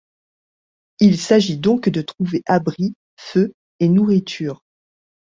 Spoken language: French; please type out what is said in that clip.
Il s’agit donc de trouver abri, feu et nourriture.